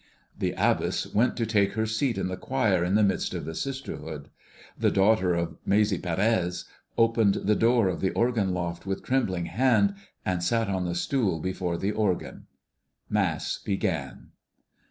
The abbess went to take her seat in the choir in the midst of the sisterhood. The daughter of Maese Pérez opened the door of the organ loft with trembling hand, and sat on the stool before the organ. Mass began.